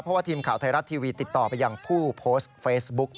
เพราะว่าทีมข่าวไทยรัฐทีวีติดต่อไปยังผู้โพสต์เฟซบุ๊ก